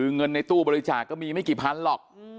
เงินในตู้บริจาคก็มีไม่กี่พันหรอก